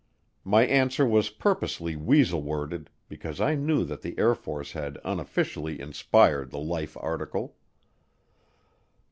My answer was purposely weasel worded because I knew that the Air Force had unofficially inspired the Life article.